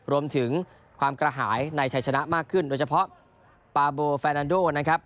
รวมถึงความกระหายในชัยชนะมากขึ้นโดยเฉพาะปาโบแฟนันโดนะครับ